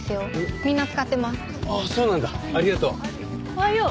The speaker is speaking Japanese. おはよう。